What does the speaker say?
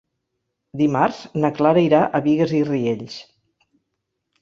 Dimarts na Clara irà a Bigues i Riells.